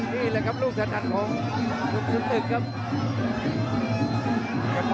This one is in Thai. ตีจะลูดครับ